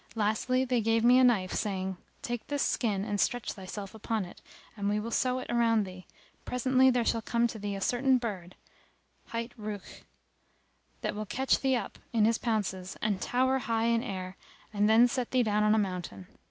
Lastly they gave me a knife saying, "Take this skin and stretch thyself upon it and we will sew it around thee, presently there shall come to thee a certain bird, hight Rukh,[FN#284] that will catch thee up in his pounces and tower high in air and then set thee down on a mountain.